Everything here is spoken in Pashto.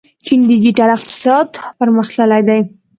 چین ډیجیټل اقتصاد پرمختللی دی.